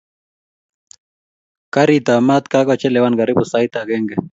karit ab mat kakakocheleean karibu saait angengee